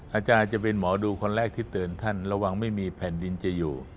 อาจารย์จะเป็นหมอดูคนแรกที่เตือนท่านระวังไม่มีแผ่นดินจะอยู่